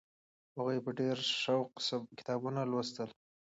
هغوی په ډېر سوق کتابونه لوستل.